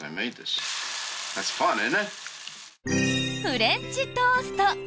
フレンチトースト！